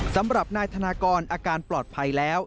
สำหรับนายธนากรอาการปลอดภัยแล้ว